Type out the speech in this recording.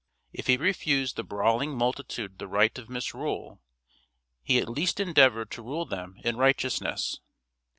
If he refused the brawling multitude the right of misrule, he at least endeavored to rule them in righteousness.